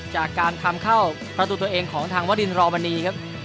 จากการทำเข้าประตูตัวเองของทางวรินรอมณีครับ